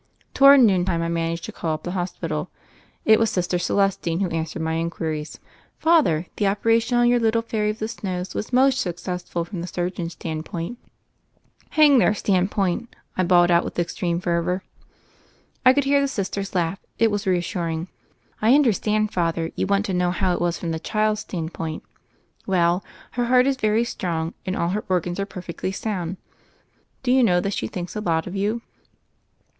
Toward noon time I managed to call up the hospital. It was Sister Celestine who answered my inquiries. "Father, the operation on your little Fairy of the Snows was most successful from the surgeons' standpoint." "Hang their standpoint," I bawled out, with extreme fervor. I could hear the Sister's laugh: it was re assuring. "I understand. Father; you want to know how it was from the child's standpoint. Well, her heart is very strong, and all her organs are perfectly sound. Do you know that she thinks a lot of you